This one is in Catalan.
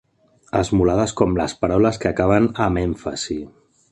Esmolades com les paraules que acaben amb èmfasi.